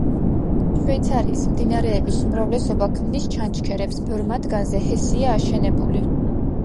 შვეიცარიის მდინარეების უმრავლესობა ქმნის ჩანჩქერებს, ბევრ მათგანზე ჰესია აშენებული.